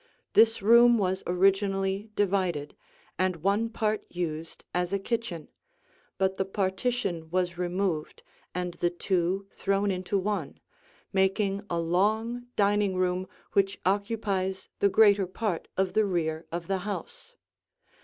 This room was originally divided, and one part used as a kitchen, but the partition was removed and the two thrown into one, making a long dining room which occupies the greater part of the rear of the house.